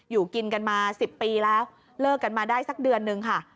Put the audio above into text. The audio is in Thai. อยู่กินกันมา๑๐ปีแล้วเลิกกันมาได้สักเดือนนึงค่ะ